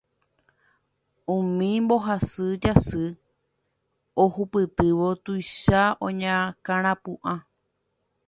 Umi mbohasy jasy ohupytývo tuicha oñakãrapu'ã.